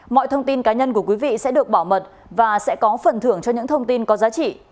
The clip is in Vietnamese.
mọi thông tin cá nhân của quý vị sẽ được bảo mật và sẽ có phần thưởng cho những thông tin có giá trị